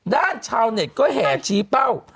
ชาวเน็ตก็แห่ชี้เป้า